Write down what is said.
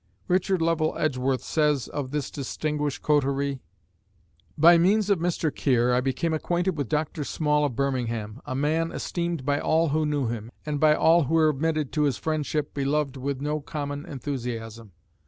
Richard Lovell Edgeworth says of this distinguished coterie: By means of Mr. Keir, I became acquainted with Dr. Small of Birmingham, a man esteemed by all who knew him, and by all who were admitted to his friendship beloved with no common enthusiasm.